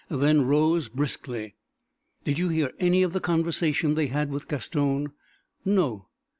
Then rose, briskly. "Did you hear any of the conversation they had with Gaston?" "No."